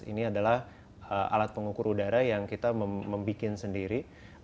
ini adalah alat pengukur udara yang kita membuat sendiri